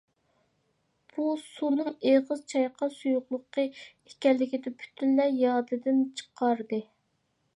بۇ سۇنىڭ ئېغىز چايقاش سۇيۇقلۇقى ئىكەنلىكىنى پۈتۈنلەي يادىدىن چىقاردى.